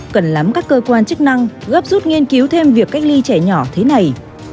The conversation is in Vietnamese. cần lắm các cơ quan chức năng gấp rút nghiên cứu thêm việc cách ly trẻ nhỏ thế này